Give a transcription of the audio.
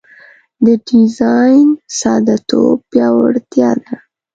د ډیزاین ساده توب پیاوړتیا ده.